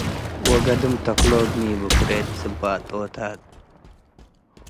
ወገድም ተክሎብ ሚቡ - ክሬት ጽባቦታት